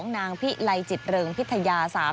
นางพิไลจิตเริงพิทยา